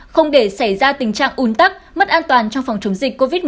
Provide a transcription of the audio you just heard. không để xảy ra tình trạng un tắc mất an toàn trong phòng chống dịch covid một mươi chín